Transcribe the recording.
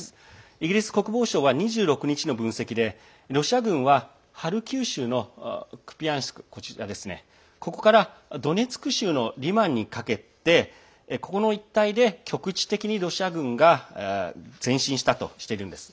イギリス国防省は２６日の分析でロシア軍はハルキウ州のクピヤンシクからドネツク州リマンにかけてここの一帯で局地的に前進したとしてるんです。